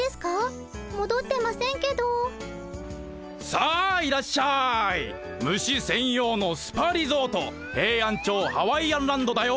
さあいらっしゃい虫専用のスパリゾートヘイアンチョウハワイアンランドだよ！